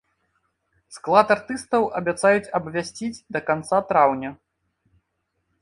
Склад артыстаў абяцаюць абвясціць да канца траўня.